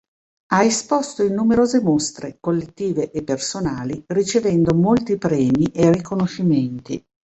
Ha esposto in numerose mostre, collettive e personali, ricevendo molti premi e riconoscimenti.